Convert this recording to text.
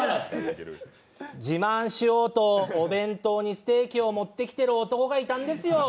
自慢しようとお弁当にステーキを持ってきてる男がいたんですよ。